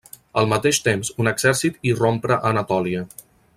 Al mateix temps, un exèrcit irrompre a Anatòlia.